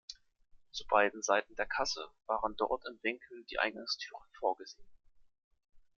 Zu beiden Seiten der Kasse waren dort im Winkel die Eingangstüren vorgesehen.